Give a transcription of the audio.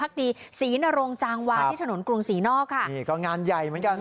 บนช้างนะ